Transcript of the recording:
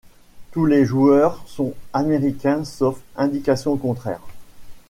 Tous les joueurs sont Américains sauf indication contraire.